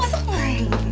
masuk masuk masuk